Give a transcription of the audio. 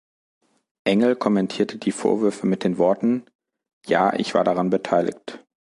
Engel kommentierte die Vorwürfe mit den Worten: „Ja, ich war daran beteiligt.